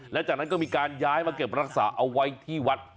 และจากนั้นก็มีการย้ายมาเก็บรักษาเอาไว้ที่วัด